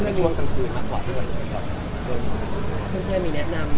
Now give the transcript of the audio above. มันเป็นช่วงกลางคืนมากกว่าที่มันเป็นช่วงกลางคืน